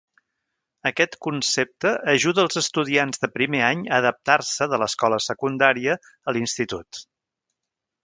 Aquest concepte ajuda els estudiants de primer any a adaptar-se de l'escola secundària a l'institut.